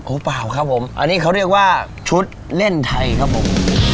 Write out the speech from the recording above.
เปล่าครับผมอันนี้เขาเรียกว่าชุดเล่นไทยครับผม